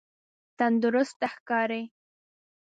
تندرسته ښکاری؟